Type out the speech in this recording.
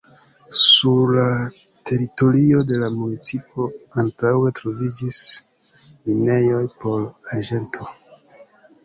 Sur la teritorio de la municipo antaŭe troviĝis minejoj por arĝento.